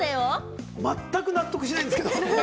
まったく納得しないんですけれども。